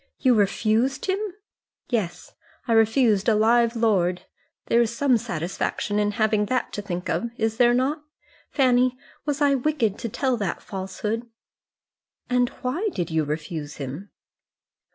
"You refused him?" "Yes; I refused a live lord. There is some satisfaction in having that to think of, is there not? Fanny, was I wicked to tell that falsehood?" "And why did you refuse him?"